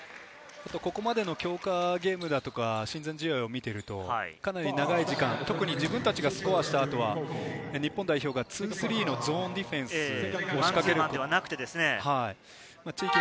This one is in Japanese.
ここまでの強化ゲームだとか親善試合を見てると長い時間、自分たちがスコアしたあとは日本代表が２−３のゾーンディフェンスを仕掛ける。